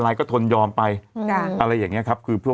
ทำงานครบ๒๐ปีได้เงินชดเฉยเลิกจ้างไม่น้อยกว่า๔๐๐วัน